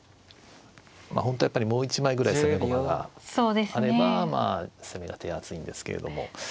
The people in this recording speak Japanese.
本当はやっぱりもう１枚ぐらい攻め駒があればまあ攻めが手厚いんですけれども。